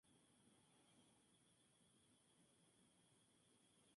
Esta puesto sobre una clase de tarima de piedra, acompañado de tres astas.